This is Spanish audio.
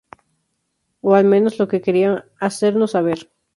O al menos, lo que quería hacernos saber.